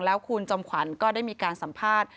แล้วคุณจอมขวัญก็ได้มีการสัมภาษณ์